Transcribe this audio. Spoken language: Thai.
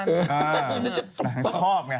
นางชอบไง